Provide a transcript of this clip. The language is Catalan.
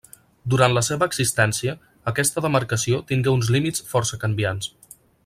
Durant la seva existència, aquesta demarcació tingué uns límits força canviants.